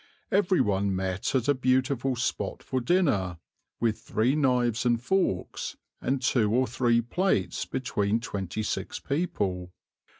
Every one met at a beautiful spot for dinner, with three knives and forks and two or three plates between twenty six people.